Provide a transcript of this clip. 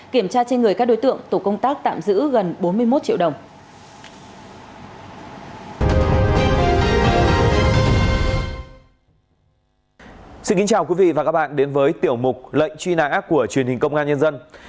kiểm tra trên người các đối tượng tổ công tác tạm giữ gần bốn mươi một triệu đồng